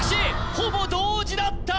ほぼ同時だった！